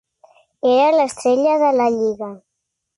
Era l'estrella de la lliga.